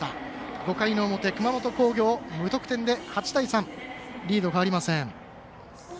５回の表、熊本工業無得点で８対３、リード変わりません。